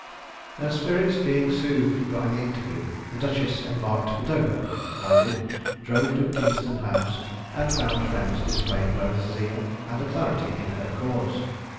Her spirits being soothed by the interview, the duchess embarked for Dover, landed, drove post to Kingston house, and found friends displaying both zeal and alacrity in her cause.